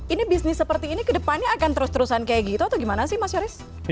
ini bisnis seperti ini ke depannya akan terus terusan kayak gitu atau gimana sih mas yoris